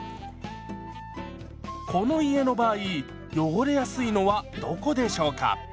この家の場合汚れやすいのはどこでしょうか？